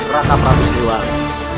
raka prabes diwari